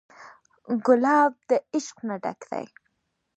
ګلاب د عشق نه ډک دی.